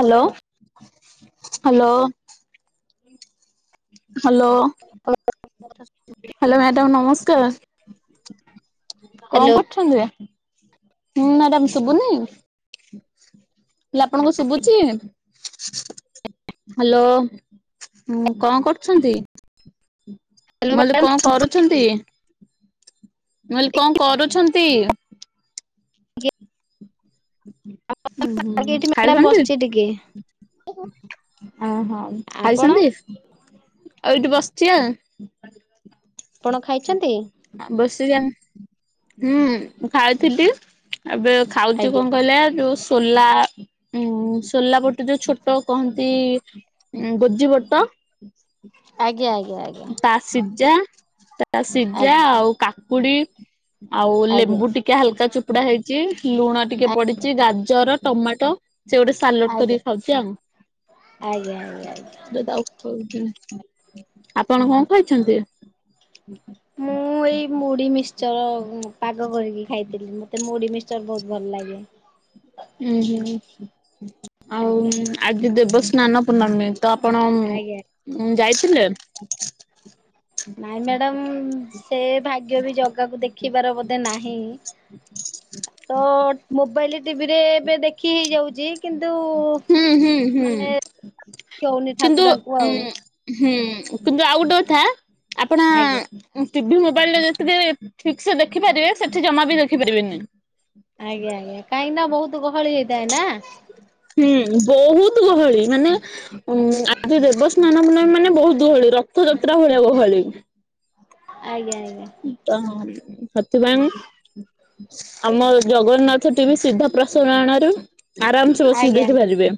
Hello hello. Hello hello madam ନମସ୍କାର। କଣ କରୁଛନ୍ତି? ହୁଁ ମ୍ୟାଡାମ ଶୁଭୁନି। ହେଲେ ଆପଣଙ୍କୁ ଶୁଭୁଛି। ହ୍ୟାଲୋ କଣ କରୁଛନ୍ତି? ହ୍ୟାଲୋ ମଲ୍ଲୀ ମ୍ୟାଡ଼ାମ କଣ ଶୁଭୁନି କରୁଛନ୍ତି? ମୁଁ କହିଲି କଣ କରୁଛନ୍ତି? କି ଉଁ ହୁଁ ଏଠି ମ୍ୟାଡ଼ାମ ଖାଉଛନ୍ତି। ବସିଛି ଟିକେ ଓହୋ ଆପଣ ଖାଇଛନ୍ତି। ଆଉ ଏଇଠି ବସିଛି ଆଁ ଆପଣ ଖାଇଛନ୍ତି? ଆଉ ବସଛିି ଆଁ। ହୁଁ ଖାଇଥିଲି ଏବେ ଖାଉଛି ଆଜ୍ଞା କଣ କହିଲା ଜୁସ୍‌। ସୋଲା ଉ ସୋଲା ପଟେ ଯୋଉ ଛୋଟ କହନ୍ତି। ଉଁ ଗୋଜି ବଟ ଆଜ୍ଞା ଆଜ୍ଞା ତା ସିଜା। ତା ସିଝା ଆଜ୍ଞା ଆଉ କାକୁଡି ଆଉ ଆଜ୍ଞା ଆଜ୍ଞା ଲେମ୍ବୁ ଟିକେ ହାଲକା ଚୋପ୍ କୁପଡା ହେଇଛି ଲୁଣ ଟିକେ ପଡିଛି ଗାଜର ଟମାଟୋ। ସେ ଗୋଟେ ସାଲାଟ ଆଜ୍ଞା ଆଜ୍ଞା କରିକି ଖାଉଛି ଆଜ୍ଞା ଆଜ୍ଞା। [unintelligible] ଆଉ ଖାଉ। ଆପଣ କଣ ଖାଇଛନ୍ତି? ମୁଁ ଏଇ ମୁଢି ମିଶ୍ଚର ପାଗ କରିକି ଖାଇଥିଲି ମତେ ମୁଢ଼ି ମିଶ୍ଚ ଚର ବହୁତ ଭଲ ଲାଗେ। ହୁଁ ହୁଁ ଆଉ ଆଜ୍ଞା ଆଜି ଦେବସ୍ନାନ ପୂର୍ଣ୍ଣମି। ତ ଆପଣ ଆଜ୍ଞା। ଉଁ ଯାଇଥିଲେ। ନାଇଁ ମ୍ୟାଡ଼ାମ ସେ ଭାଗ୍ୟ ବି ଜଗାକୁ ଦେଖିବାର ବୋଧେ ନାହିଁ। ହ ତୋ ମୋବାଇଲ ଟିଭିରେ ଏବେ ଦେ ଖି ହେଇଯାଉଛି କିନ୍ତୁ ହୁଁ ହୁଁ ହୁଁ ମାନେ କିଉନି କିନ୍ତୁ ଠାକୁରାଙ୍କୁ ଉଁ ଆଉ। ହୁଁ କିନ୍ତୁ ଆଉ ଗୋଟେ କଥା ଆପଣ ଆଜ୍ଞା। ଟିଭି ମୋବାଇଲ୍ ରେ ଯେତିକି ଠିକ୍ ସେ ଦେଖିପାରିବେ ସେଠି ଜମା ବି ଦେଖିପାରିବେନି। ଆଜ୍ଞା ଆଜ୍ଞା କାହିଁକି ନା ବହୁତ ଗହଳି ହେଇଥାଏ ନା ହୁଁ ବହୁତ ଗହଳି ମାନେ ଉ ଆଜି ଦେବସ୍ନାନ ମଲ ମାନେ ବହୁତ ଗୁହଳି ରଥଯାତ୍ରା ଭଳିଆ ଗହଳି ଆଜ୍ଞାଆଞା ତ ସେଥିପାଇଁ ଆମ ଜଗନ୍ନାଥ ଟିଭି ସିଧା ପ୍ରସନ ଆଣାରୁ ଆରାମସେ ବସିକି ଆଜ୍ଞା ଆଜ୍ଞା। ଦେଖିପାରିବେ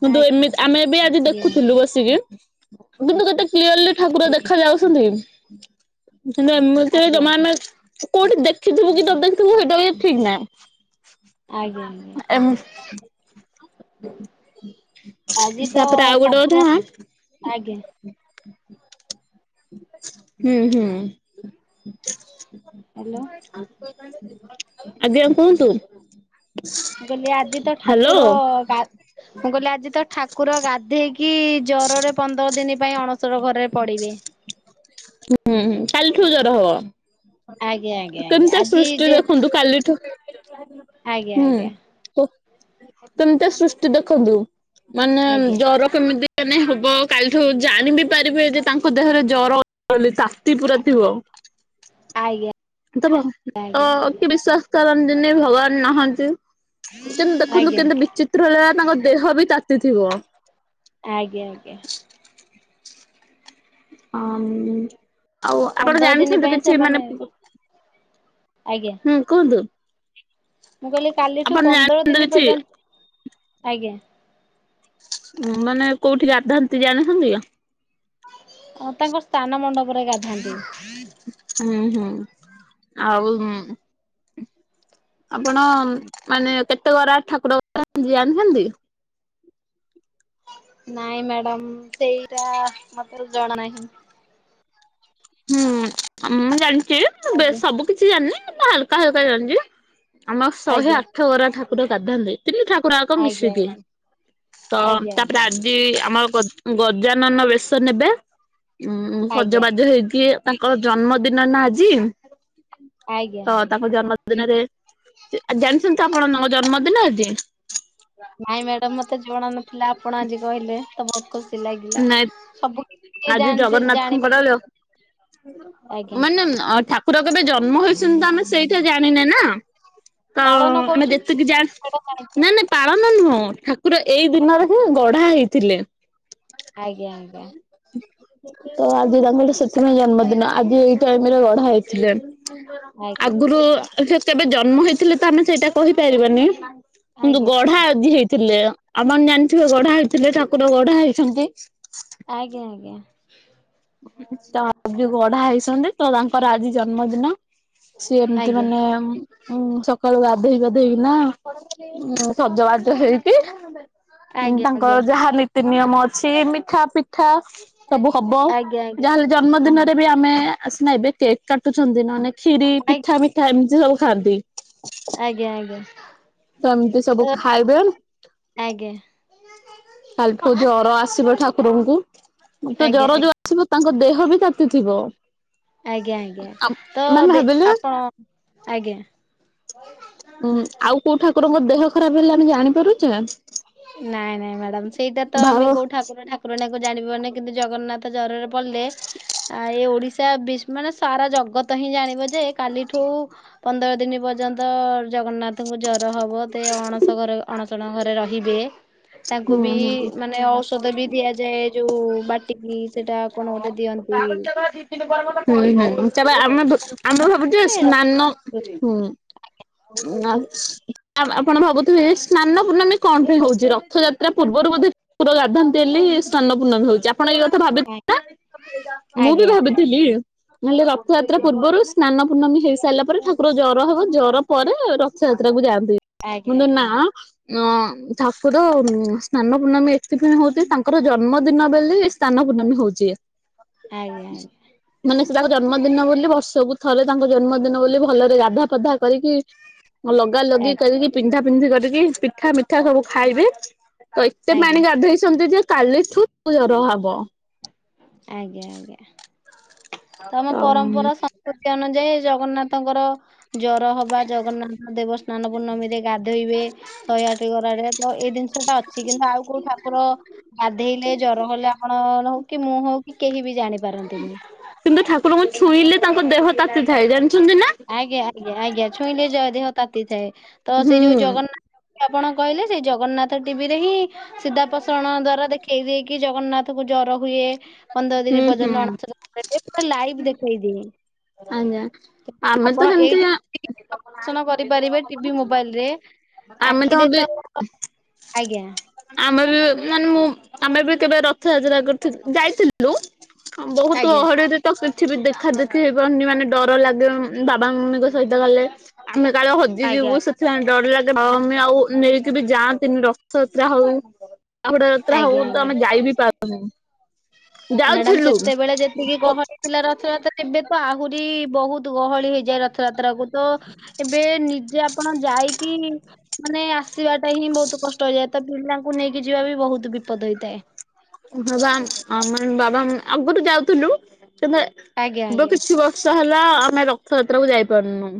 କିନ୍ତୁ ଏମିତି ଆମେ ବି ଆଜି ଆଜ୍ଞା ଦେଖୁଥିଲୁ ବସିକି କିନ୍ତୁ କେତେ କ୍ଲିୟରଲି ଠାକୁର ଦେଖା ଯାଉଛନ୍ତି କିନ୍ତୁ ଏମିତି ଆଜ୍ଞା ଜମାନେ କୋଉଠି ଦେଖିଥିବୁ କି ନ ଦେଖିଥିବୁ ସେଇଟା ବି ଠିକ ନାହିଁ ଆଜ୍ଞା ଆଜ୍ଞା ଏମ୍ ଆଜି ତ ଗୋଟେ କଥା ଠାକୁର ଆଜ୍ଞା ହୁଁ ହୁଁ ହ୍ୟାଲୋ ଆଜ୍ଞା କୁହନ୍ତୁ ମୁ କହିଲି ଆଜି ତ ହ୍ୟାଲୋ ଠାକୁର ମୁଁ କହିଲି ଆଜି ତ ଠାକୁର ଗାଧେଇକି କି ଜ୍ଵରରେ ପନ୍ଦର ଦିନ ପାଇଁ ଅଣସର ଘରେ ପଡିବେ। ଁ କାଲିଠୁ ଜର ହବ ଆଜ୍ଞା ଆଜ୍ଞା ଆଜ୍ଞା କେମିତି ଆଜି ସୃଷ୍ଟି ଯେ ଦେଖନ୍ତୁ କାଲିଠୁ ଆଜ୍ଞା ହୁଁ ଆଜ୍ଞା ଅ କେମିତି ସୃଷ୍ଟି ଦେଖନ୍ତି ମାନେ ଆଜ୍ଞା ଜର କେମିତି ମାନେ ହବ କାଲିଠୁ ଜାଣିିବି ପାରିବେ ଯେ ତାଙ୍କ ଦେହରେ ଜର ତାତି ପୁରା ଥିବ ଆଜ୍ଞା ତ ତ ଆଜ୍ଞା କି ବିଶ୍ଵାସ କରନ୍ତିନି ଭଗବାନ ନାହାନ୍ତି କେମତି ଆଜ୍ଞା ଦେଖନ୍ତୁ ଆଜ୍ଞା କେମତି ବିଚିତ୍ର ହେଲା ତାଙ୍କ ଦେହ ବି ତାତିଥିବ ଆଞା ଆଞା ହଁ ଆଉ ତ ଆପଣ ପନ୍ଦର ଦିନ ଜାଣିଛନ୍ତି ପାଇଁ କିଛି ସେମାନେ ମାନେ ଆଜ୍ଞା ହୁଁ କୁହନ୍ତୁ ମୁଁ କହିଲି କାଲିଠୁ ଆପଣ ପନ୍ଦର ଜାଣିଛନ୍ତି ଦିନ କିଛି ପର୍ଯ୍ୟନ୍ତ ଆଜ୍ଞା ମାନେ କୋଉଠି ଗାଧାନ୍ତି ଜାଣିଥାନ୍ତି ଆ ତାଙ୍କ ସ୍ଥାନ ମଣ୍ଡପରେ ଗାଧନ୍ତି ହୁଁ ହୁଁ ଆଉ ହ ଆପଣ ମାନେ କେତେ ବରା ଠାକୁର ଯ ଜାଣିଛନ୍ତି ନାଇଁ ମ୍ୟାଡାମ ସେଇଟା ମତେ ଜଣା ନାହିଁ ହୁଁ ମୁଁ ଜାଣିଛି ଆଜ୍ଞା ସବୁ କିଛି ଜାଣିନି ହାଲକା ହାଲକା ଜାଣିଛି ଆମ ଶହେ ଆଜ୍ଞା ଆଠ ବରା ଠାକୁର ଗାଧାନ୍ତି ତିନି ଠାକୁର ଆ କଣ ଆଜ୍ଞା ମିଶିକି ଆଜ୍ଞା ତ ଆଜ୍ଞା ତାପରେ ଆଜ୍ଞା ଆଜି ଆମ ଗଜାନନ ବେଶ ନେବେ ଉ ଆଜ୍ଞା ସଜବାଜ ହେଇ କିଏ ତାଙ୍କର ଜନ୍ମଦିନ ନା ଆଜି ଆଜ୍ଞା ତ ଆଜ୍ଞା। ତାଙ୍କ ଜନ୍ମଦିନରେ ଜାଣିଛନ୍ତି ତ ଆପଣ ତାଙ୍କ ଜନ୍ମଦିନ ଆଜି ହ ନାଇଁ ମ୍ୟାଡାାମ ମତେ ଜଣ ନଥିଲା ଆପଣ ଆଜି କହିଲେ ତ ଖୁସି ଲାଗିଲା ନାଇଁ ସବୁ କିଛି ଆଜି ଜାଣି ସେ ଜାଣି ଜଗନ୍ନାଥଙ୍କର ପାରି ମାନେ ଠାକୁର କେବେ ଜନ୍ମ ହେଇଛନ୍ତି ତ ଆମେ ସେଇଟା ଜାଣିନେ ନା ତ ପାଳନ ଆମେ କରୁଛନ୍ତି ଯେତିକି ଯାଣି ସେଇଟା ଜାଣିଛି ନାଇଁ ନାାଇଁ ପାଳନ ନୁହଁ ଠାକୁର ଏଇ ଦିନରେ ଆଉ। ହିଁ ଗଢା ହେଇ ଥିଲେ ଆଜ୍ଞା ଆଜ୍ଞା ତ ଆଜି ତାଙ୍କର ସେଥିପାଇଁ ଜନ୍ମଦିନ ଆଜି ଏଇ ଟାଇମ ରେ ଗଢା ହେଇଛି ଆଜ୍ଞା ଆଗରୁ କେବେ ଜନ୍ମ ହେଇଥିଲେ ତ ଆମେ ସେଇଟା କହିପାରିବାନି କିନ୍ତୁ ଆଜ୍ଞା ଗଢା ଆଜିି ହେଇଥିଲେ ଆମ ଜାଣିଥିବେ ଗଢା ହେଇଥିଲେ ଠାକୁର ଗଢା ହେଇଛନ୍ତି ଆଜ୍ଞା ଆଜ୍ଞା ତ ଆଜି ଗଢା ହେଇଛନ୍ତି ତ ତାଙ୍କର ଆଜି ଜନ୍ମଦିନ। ସେ ଏମତି ଆଜ୍ଞା ମାନେ ଉ ସ ସକାଳୁ ଗାଧେଇ ପାଧେଇକିନା ସଜବାଜ ହେଇକି ଆଜ୍ଞା ତାଙ୍କର ଆଜ୍ଞା। ଯାହା ନୀତି ନିୟମ ଅଛି ମିଠା ପିଠା ସବୁ ଆଜ୍ଞା ଯାହାେଲେ ଜନ୍ମଦିନରେ ବି ଆମେ ଆ ସିନା ଏବେ କେକ୍ କାଟୁଛନ୍ତି ନନେ ଖିରି ଆଜ୍ଞା ପିଠା ମିଠା ଏମିତି ସବୁ ଖାଆନ୍ତି। ଆଜ୍ଞା ଆଜ୍ଞା। ଏମିତି ସବୁ ଅ, ଖାଇବେ। ଆଜ୍ଞା। କାଲି ଠୁ ଜର ଆସିବ ଠାକୁରଙ୍କୁ ତ ଆଜ୍ଞା ଆଜ୍ଞା ଜର ଯୋଉ ଆସିବ ତାଙ୍କ ଦେହ ହ ବି ତାତି ଥିବ। ଆଜ୍ଞା ଆଜ୍ଞା ତ ଦେ ଭାବିଲେ ଆପଣ ଆଜ୍ଞା। ଉଁ ଆଉ କୋଉ ଠାକୁରଙ୍କ ଦେହ ଖରାପ ହେଲେ ଆମେ ଜାଣିପାରୁଛେ? ନାଇଁ ନାଇଁ ମ୍ୟାଡାମ ସେଇଟା ତ ଭାବ ଆମେ କୋଉ ଠାକୁର ଠାକୁର ଜାଣିବନି କିନ୍ତୁ ଜଗନ୍ନାଥ ଜରରେ ପଡିଲେ ଆ ଏ ଓଡିଶା ବିସ ମାନେ ସାରା ଜଗତ ହିଁ ଜାଣିବ ଯେ କାଲିଠୁ ପନ୍ଦର ଦିନ ପର୍ଯ୍ୟନ୍ତ ଜଗନ୍ନାଥଙ୍କୁ ଜର ର ହବ ଦେ ଅଣସ ଘରେ ଅଣସଣ ଘରେ ରହିବେ। ତାଙ୍କୁ ହୁଁ ବି ହୁଁ। ହୁଁ ହୁଁ ମାନେ ଔଷଧ ବି ଦିଆଯାଏ ଯୋଉ ବାଟିକି ସେଟା କଣ ଗୋଟେ [unintelligible] ଦିଅନ୍ତି। ହୁଁ ହୁଁ ହୁଁ ତାପରେ ଆମେ ଆମେ ଭାବୁଛ ଏ ସ୍ନାନ ରଖନ୍ତୁ। ହୁଁ। ଉଁ ଆପଣ ଭାବୁଥିବେ ସ୍ନାନ ପୂର୍ଣ୍ଣମୀ କଣ ହଉଛି ରଥଯାତ୍ରା ପୂର୍ବରୁ ବୋଧେ ଠାକୁର ଗାଧାନ୍ତି ହେଲେ ସ୍ନାନ ପୂର୍ଣ୍ଣ ହଉଛି। ଆପାଣ ଏ କଥା ଭାବି ନା ମୁଁ ବି ଆଜ୍ଞା ଆଜ୍ଞା ଭାବିଥିଲି ହେଲେ ରଥଯାତ୍ରା ପୂର୍ବରୁ ସା ନ ପୂର୍ଣ୍ମୀ ହେଇ ସାରିଲା ପରେ ଠାକୁର ଜର ହେବ ଜର ପରେ ରଥଯାତ୍ରାକୁ ଯାଆନ୍ତି। ଆଜ୍ଞା କିନ୍ତୁ ନା ଆଜ୍ଞା। ଅ ଠାକୁର ସ୍ନାନ ପୂର୍ଣମୀ ଏଥିପାଇଁ ହଉଛି ତାଙ୍କର ଜନ୍ମଦିନ ବଲେ ସ୍ନାନ ପୂର୍ଣ୍ଣମୀ ହଉଛି। ଆଜ୍ଞା ଆଜ୍ଞା। ମାନେ ତାଙ୍କ ଜନ୍ମଦିନ ବୋଲି ବର୍ଷକୁ ଥରେ ତାଙ୍କ ଜନ୍ମଦିନ ବୋଲି ଭଲରେ ଗାଧା ପାଧା କରିକି ଲଗା ଆଜ୍ଞା ଆଜ୍ଞା ଲଗି ଆଜ୍ଞା। କରିକି ପିନ୍ଧା ପିନ୍ଧି କରିକି ପିଠା ମି ଠା ସବୁ ଖାଇବେ ତ ଏତେ ପାଣି ଆଜ୍ଞା ଗାଧେଇଛନ୍ତି ଯେ କାଲି ଠୁ ଜର ହବ। ଆଜ୍ଞା ଆଜ୍ଞା। ତ ଆମ ଆଉ ପରମ୍ପରା ସଂସ୍କୃତି ଅନୁଯାୟୀ ଜଗନ୍ନାଥ ତାଙ୍କର ଜର ହବା ଜଗନ୍ନାଥ ଦେବ ସ୍ନାନ ପୂର୍ଣ୍ଣମୀରେ ଗାଧୋଇବେ ଶହେ ଆଠ ଗରାେରେ ତ ଏଇ ଜିନିଷ ଟା ଅଛି କିନ୍ତୁ ଆଉ କୋଉ ଠାକୁର ଗାଧେଇଲେ ଜର ହେଲେ ଆପଣ ହଉ କି ମୁଁ ହଉ କି କେହି ବି ଜାଣିପାରନ୍ତିନି। କିନ୍ତୁ ଠାକୁରଙ୍କୁ ଛୁଇଁଲେ ତାଙ୍କ ଦେହ ତାତିଥାଏ ଜା ଆଜ୍ଞା ଆଜ୍ଞା ଆଜ୍ଞା ଛୁଇଁଲେ ଜ ଦେହ ତାତିଥାଏ ତ ସେ ହୁଁ ଯୋଉ ଜଗନ୍ନାଥ ଆପଣ କହିଲେ ସେଇ ଜଗନ୍ନାଥ ଟିଭି ରେ ହିଁ ସିଧାପସାରଣ ଦ୍ଵାରା ଦେଖେଇ ଦେଇକି ଜଗନ୍ନାଥ କୁ ଜର ହୁଏ। ପନ୍ଦର ହୁଁ ଦିନି ହୁଁ ପର୍ଯ୍ୟନ୍ତ ଅଣ [inaudible] ପୁରା ଲାଇଭ ଦେଖେଇଦିଏ। ଆଜ୍ଞା ଆମେ ତ ହେମତି ଷନ କରିପାରିବେ ଟିଭି ମୋବାଇଲ ରେ ଆମେ ଆଖିରେ ଏବେ ତ ଆଜ୍ଞା। ଆମେ ବି ମାନେ ମୁଁ ଆମେ ବି କେବେ ରଥଯାତ୍ରା କରିଥିଲ ଯାଇଥିଲୁ। ବହୁତ ଆଜ୍ଞା ଅହଡରେ ତ କିଛି ବି ଦେଖା ଦେଖ ହେଇପାରୁନି ମାନେ ଡର ଲାଗେ ବାବା ମମିଙ୍କ ସହିତ ଗଲେ। ଆମେ କାଳେ ହଜି ଯିବୁ ଆଜ୍ଞା ସେଥିପାଇଁ ଡର ଲାଗେ ବାବା ମାମି ଆଉ ନେଇ କେବେ ଯାଆନ୍ତିନି ରଥଯାତ୍ରା ହଉ ବାହୁଡା ଯାତ୍ରା ହଉ ଆଜ୍ଞା ତ ଆଜ୍ଞା ଆମେ ଯାଇ ବିି ପାରୁନୁ। ମ୍ୟାଡାମ ସେତେବେଳେ ଯେତିକି ଗହଳି ଥିଲା ରଥଯାତ୍ରା ଏବେ ତ ଆହୁରି ବହୁତ ବହୁ ଗହଳି ହେଇଯାଏ ରଥଯାତ୍ରା କୁ ତ ଏବେ ନିଜେ ଆପଣ ଯାଇକି ମାନେ ଆସିବାଟା ହିଁ ବହୁତୁ କଷ୍ଟ ହେଇଯାଏ, ତ ପିଲାଙ୍କୁ ନେଇକି ଯିବା ବି ବହୁତୁ ବିପଦ ହେଇଥାଏ। ହଁ ଆମ ବାବା ଆଗରୁୁ ଯାଉଥୁଲୁ। ଏବେ ଆଜ୍ଞା ବେ ଆଜ୍ଞା କିଛି ବର୍ଷ ହେଲା ଆମେ ରଥଯାତ୍ରା କୁ ଯାଇ ପାରୁନୁ।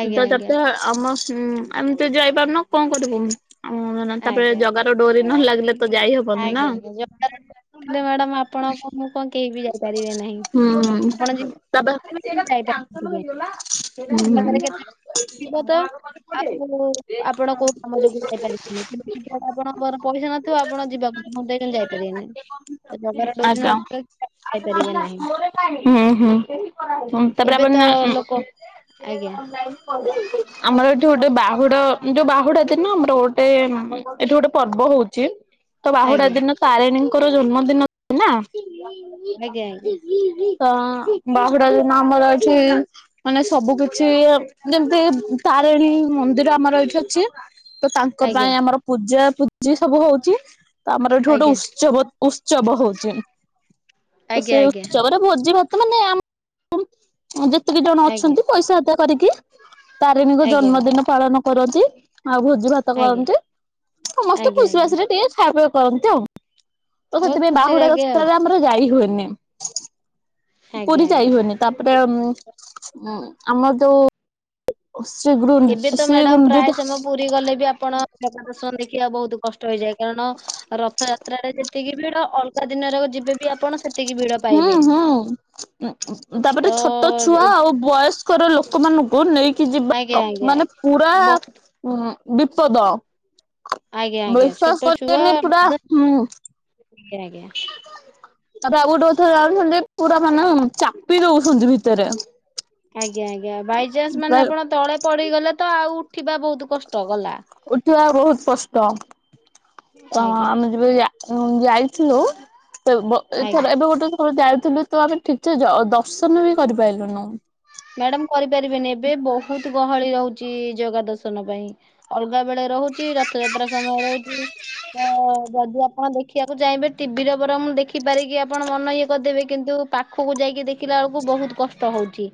ଆଜ୍ଞା ଆଜ୍ଞା ଆମେ ହୁଁ! ଆମେ ତ ଯାଇପାରୁନୁ କ'ଣ କରିବୁ? ତାପରେ ଆଜ୍ଞା ଜଗାର ଡୋରି ନଲାଗିଲେ ତ ଯାଇ ହବନି ନା। ଆଜ୍ଞା ଆଜ୍ଞା ଜ ଥିଲେ ମ୍ୟାଡାମ ଆପଣଙ୍କୁ ମୁଁ କଣ କେହି ବି ଯାଇପାରିବେ ନାହିଁ ହୁଁ ଆପଣ ଯିବେ ତାପ କିନ୍ତୁ ଯାଇପାରିନଥିବେ। ପାଖରେ କେତେ ଥିବ ତ ଆଉ ଆପଣ କୋଉ [inaudible] କାମ ଯୋଗୁ ଯାଇ ପାରିବିନି। କିନ୍ତୁ ଆପଣ ଘରେ ପଇସା ନଥିବ, ଆପଣ ଯିବାକୁ ମୁଁ ଯାଇପାରିବିନି। ଆଜ୍ଞା ଯାଇପାରିବେ ନାହିଁ ହୁଁ ହୁଁ ହୁଁ ତାପରେ ଏବେ ତ ଲୋକ ଆଜ୍ଞା ଆମର ଏଠି ଗୋଟେ ବା ବାହୁଡା ଯଉ ବାହୁଡ଼ା ଦିନ ଆମର ଗୋଟେ ଏଠି ଗୋଟେ ପର୍ବ ହଉଛି। ତ ବାହୁଡା ଆଜ୍ଞା ଦିନ ତାରିଣୀଙ୍କର ଜନ୍ମ ଦିନ ତ ଆଜ୍ଞା ବାହୁଡ଼ା ଦିନ ଆମର ଏଠି ମାନେ ସବୁ କିଛି ଯେମ୍ତି ଥା ତାରେଣୀ ମନ୍ଦିର ଆମର ଏଇଠି ଅଛି। ତ ତାଙ୍କ ଆଜ୍ଞା ପାଇଁ ଆମର ପୂଜା ପୂଜି ସବୁ ହଉଚି। ତ ଆମର ଏଠି ଗୋଟେ ଆଜ୍ଞା ଉତ୍ସବ ଉତ୍ସବ ହଉଚି। ତ ସେ ଆଜ୍ଞା ଆଜ୍ଞା ଉତ୍ସବରେ ଭୋଜି ଭା ମାନେ ଆମ ଯେତିକି ଜଣ ଅଛନ୍ତି। ପଇସା ଆଦାୟ କରିକି ତାରିଣୀଙ୍କ ଆଜ୍ଞା ଆଜ୍ଞା ଆଜ୍ଞା ଆଜ୍ଞା ଜନ୍ମଦିନ ପାଳନ କରନ୍ତି। ଆଉ ଭୋଜି ଭାତ ଆଜ୍ଞା କରନ୍ତି, ସମସ୍ତେ ଆଜ୍ଞା ଖୁସି ଆଜ୍ଞା ବାସିରେ ଟିକେ ଖାଅ ପିଅ କରନ୍ତି ଆଉ। ତ ବହୁତ ସେଥିପାଇଁ ଖୁସି ଲାଗେ ଆଉ ବାହୁଡ଼ା ଆମର ଯାଇ ହୁଏନି। ପୁରୀ ଆଜ୍ଞା ଯାଇ ଆଜ୍ଞା ହୁଏନି। ତା'ପରେ ଆମର୍ ଯଉ ଏବେ ତ ମ୍ୟାଡାମ୍ ପ୍ରାୟ ସମୟ ପୁରୀ ଗଲେ ବି ଆପଣ। ଜଗା ଦର୍ଶନ ଦେଖିବା ବହୁତୁ କ ଷ୍ଟ ହେଇଯାଏ। କାରଣ ରଥଯାତ୍ରରେ ଯେତିକି ଭିଡ଼ ଅଲଗା ଦିନରେ ଯିବେ ବି ଆପଣ ସେ ହୁଁ ହୁଁ ତ ତା'ପରେ ଛୋଟ ଛୁଆ ଏ- ଆଉ ବୟେସ୍‌ ର ଲୋକମାନଙ୍କୁ ନେଇକି ଆଜ୍ଞା ଯିବା। ଆଜ୍ଞା ମାନେ ଆଜ୍ଞା ପୁରା ବହୁତ ଉଁ ବିପଦ। ଆଜ୍ଞା ଆଜ୍ଞା ବିଶ୍ୱାସ ଛୋଟ ଛୁଆ କରିବେନି ପୁରା ବୃଦ୍ଧ ହୁଁ! ଆଜ୍ଞା ଆଜ୍ଞା ତା'ପରେ ଆଉ ଗୋଟେ କଥା ଜାଣିଛନ୍ତି? ପୁରା ମାନେ ଚାପି ଦଉଛନ୍ତି ଭିତେରେ। ଆଜ୍ଞା ଆଜ୍ଞା ବାଇଚାନ୍ସ ମାନେ ଆପଣ ତଳେ ପଡିଗଲେ, ତ ଆଉ ଉଠିବା ବହୁତୁ କଷ୍ଟ ଗଲା ଉଠିବା ବହୁତ୍ କଷ୍ଟ। ତ ଆଜ୍ଞା ଆମେ ଯେବେ ଯା ହୁଁ! ଯାଇଥିଲୁ ବ୍ ଆଜ୍ଞା ଏଥର ଏବେ ଗୋଟେ ଥର ଯାଇ ଥିଲୁ ତ ଆମେ ଠିକ୍ ସେ ଜ ଦର୍ଶନ ବି କରିପାଇ ଲୁନୁ। ମ୍ୟାଡାମ୍ କରିପାରିବେନି, ଏବେ ବହୁତୁ ଗହଳି ରହୁଛି ଜଗା ଦର୍ଶନ ପାଇଁ। ଅଲଗା ବେଳେ ରହୁଛି, ରଥଯାତ୍ରା ସମୟ ର ତ ଯଦି ଆ ଆପଣ ଦେଖିବାକୁ ଚାହିଁବେ, ଟିଭିରେ ବରଂ ଦେଖି ପାରିକି ଆପଣ ମନ ଇଏ କରିଦେବେ। କିନ୍ତୁ ପାଖକୁ ଯାଇକି ଦେଖିଲା ଲା ବଳକୁ ବହୁତୁ କଷ୍ଟ ହଉଛି।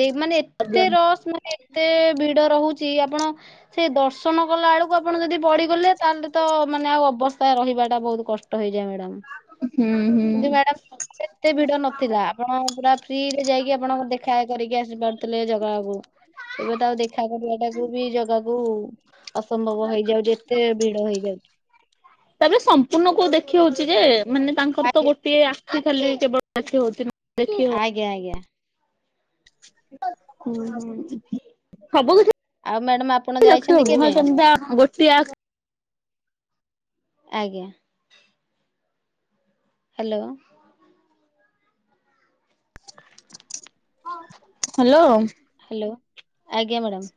ଦେ ମାନେ ଏତେ ଆଜ୍ଞା। ରସ୍‌ ମାନେ ଏତେ ଭିଡ ରହୁଛି, ଆପଣ ସେ ଦର୍ଶନ କଲା ବେଳକୁ ଆପଣ ଯଦି ପଡିଗଲେ। ତାହେଲେ ତ ମାନେ ଆଉ ଅବସ୍ଥା ରହିବା ଟା, ବହୁତ କଷ୍ଟ ହେଇଯାଏ। ମ୍ୟାଡ଼ାାମ୍! ହୁଁ! ହୁଁ। କିନ୍ତୁ ମ୍ୟାଡାମ୍ ଏତେ ଭିଡ ନଥିଲା। ଆପଣ ପୁରା ଫ୍ରିରେ ଯାଇକି ଆପଣଙ୍କ ଦେଖା କରିକି ଆସି ପାରୁଥିଲେ ଜଗାକୁ। ଏବେ ତ ଆଉ ଦେଖା କରିବାଟା କୁ ବି ଜଗାକୁ ଅସମ୍ଭବ ହେଇଯାଉଚି, ଏତେ ଭିଡ ହେଇଯାଉଚି। ତା'ପରେ ସମ୍ପୂର୍ଣ୍ଣ କଉ ଦେଖି ହଉଛି ଯେ। ମାନେ ତାଙ୍କର ତ ଆଜ୍ଞା ଗୋଟିଏ ଆଖି ଖାଲି କେବଳ [inaudible] ନା ଆଜ୍ଞା ଆଜ୍ଞା। ହୁଁ ହୁଁ! ସବୁ ଆଉ ମ୍ୟାଡାମ ଆପଣ କିଛି ଯାଇଛନ୍ତି କେବେ? [inaudible] ଆଜ୍ଞା। ହାଲୋ। ହାଲୋ। ହାଲୋ ଆଜ୍ଞା ମାଡ଼ାମ।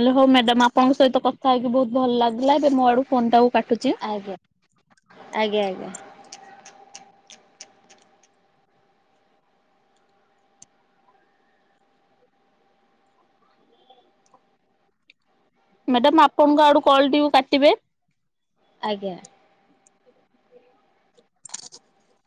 ଆଲୋ ହୋଉ ମ୍ୟାଡାମ ଆପଙ୍କ ସହିତ କଥା ହେଇକି ବୋହୁତ ଭଲ ଲାଗିଲା ଏବେ ମୋ ଆଡୁ ଫୋନ୍ ଟାକୁ କା ଆଜ୍ଞା ଆଜ୍ଞା ଆଜ୍ଞା। ମ୍ୟାଡାମ ଆପଣଙ୍କ ଆଡୁ କଲଟିକୁ କାଟିବେ। ଆଜ୍ଞା। [inaudible]